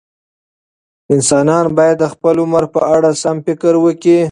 انسانان باید د خپل عمر په اړه سم فکر وکړي.